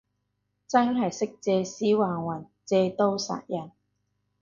真係識借屍還魂，借刀殺人